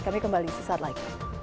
kami kembali sesaat lain